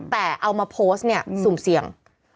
แต่เอามาโพสต์เนี่ยสุ่มเสี่ยง